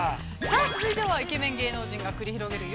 ◆さあ、続いてはイケメン芸能人が繰り広げる